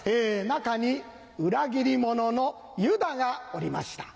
中に裏切り者のユダがおりました。